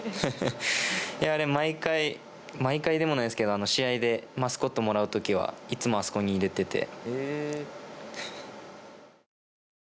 毎回、毎回でもないですけど試合でマスコットもらうときはいつも、あそこに入れてて。